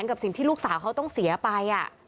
กับสิ่งที่ลูกสาวเขาต้องเสียไป